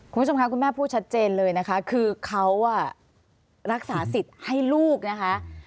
คุณผู้ชมค่ะคุณแม่พูดชัดเจนเลยนะคะคือเขารักษาสิทธิ์ให้ลูกนะคะ